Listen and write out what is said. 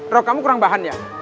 baju kamu kurang bahannya